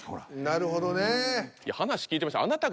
なるほどね。